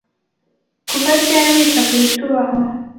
Kuva ryari wita kubitubaho?